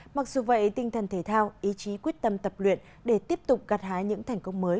mặc dù vậy tinh thần thể thao ý chí quyết tâm tập luyện để tiếp tục gạt hái những thành công mới